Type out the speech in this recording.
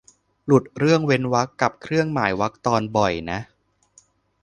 หลุดเรื่องเว้นวรรคกับเครื่องหมายวรรคตอนบ่อยนะ